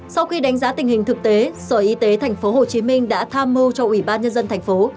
sau khi đánh giá tình hình thực tế sở y tế tp hcm đã tham mưu cho ủy ban nhân dân thành phố